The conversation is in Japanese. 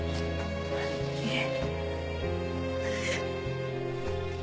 いえ。